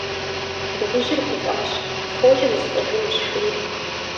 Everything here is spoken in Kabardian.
Дыгъужьыр гуфӏащ: «Фокӏэ зыстӏыжынущ! - жери.